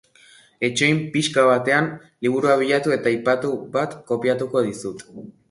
Itxoin pixka batean, liburua bilatu eta aipu bat kopiatuko dizut.